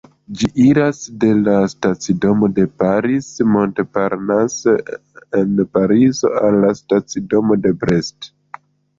Ĝi iras de la stacidomo de Paris-Montparnasse en Parizo al la stacidomo de Brest.